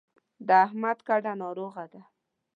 د احمد کډه ناروغه ده.